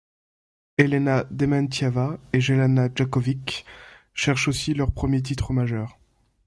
Elena Dementieva et Jelena Janković cherchent aussi leur premier titre majeur.